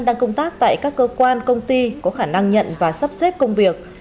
đang công tác tại các cơ quan công ty có khả năng nhận và sắp xếp công việc